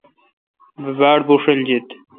بہ باڑ بھوݭل جس۔